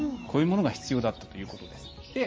こういうものが必要だということです。